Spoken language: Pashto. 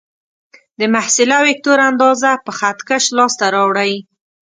د محصله وکتور اندازه په خط کش لاس ته راوړئ.